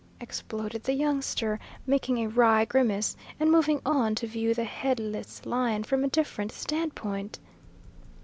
exploded the youngster, making a wry grimace and moving on to view the headless lion from a different standpoint.